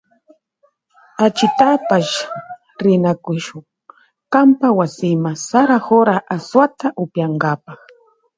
Ashintashpa rinakushun kanpa wasima sara jora asuwata upiyankapa.